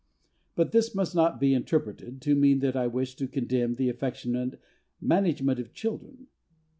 But this must not be interpreted to mean that I wish to condemn the affectionate management of children.